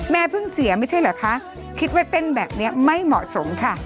เพิ่งเสียไม่ใช่เหรอคะคิดว่าเต้นแบบนี้ไม่เหมาะสมค่ะ